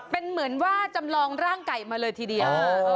เป็นเหมือนว่าจำลองร่างไก่มาเลยทีเดียว